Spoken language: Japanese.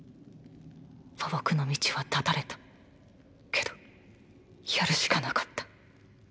和睦の道は断たれたけどやるしかなかった。